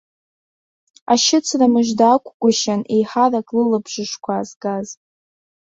Ашьыцра мыжда акәгәышьан еиҳарак лылабжышқәа аазгаз.